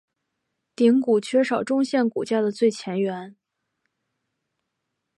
顶骨缺少中线骨架的最前缘。